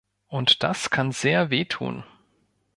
Und das kann sehr weh tun!